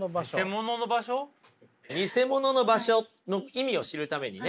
ニセモノの場所の意味を知るためにね